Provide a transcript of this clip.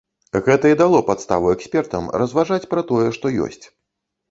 Гэта і дало падставу экспертам разважаць пра тое, што ёсць.